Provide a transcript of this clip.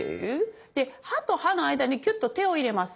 で歯と歯の間にキュッと手を入れます。